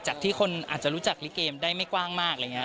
ที่คนอาจจะรู้จักลิเกมได้ไม่กว้างมากอะไรอย่างนี้